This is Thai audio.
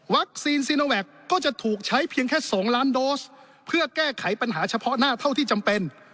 ซีโนแวคก็จะถูกใช้เพียงแค่๒ล้านโดสเพื่อแก้ไขปัญหาเฉพาะหน้าเท่าที่จำเป็น